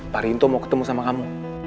pak rinto mau ketemu sama kamu